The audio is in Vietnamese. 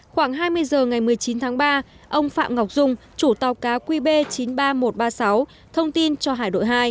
khoảng hai mươi h ngày một mươi chín tháng ba ông phạm ngọc dung chủ tàu cá qb chín mươi ba nghìn một trăm ba mươi sáu thông tin cho hải đội hai